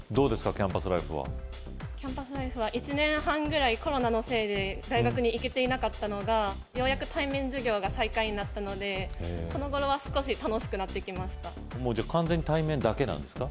キャンパスライフはキャンパスライフは１年半ぐらいコロナのせいで大学に行けていなかったのがようやく対面授業が再開になったのでこのごろは少し楽しくなってきましたじゃあ完全に対面だけなんですか？